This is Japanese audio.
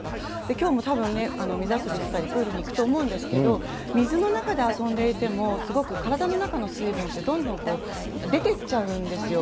きょうもたぶん、水遊びしたりプールに行くと思うんですけれども、水の中で遊んでいても、すごく体の中の水分ってどんどん出ていっちゃうんですよ。